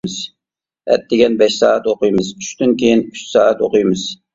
ئەتىگەن بەش سائەت ئوقۇيمىز، چۈشتىن كېيىن ئۈچ سائەت ئوقۇيمىز.